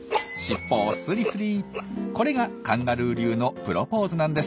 これがカンガルー流のプロポーズなんです。